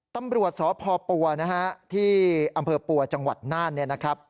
ตำรวจสพปัวนะฮะที่อำเภอปัวจังหวัดน่านเนี่ยนะครับ